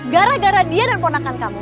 gara gara dia dan ponakan kamu